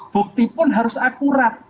bukti pun harus akurat